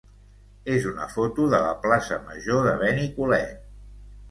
és una foto de la plaça major de Benicolet.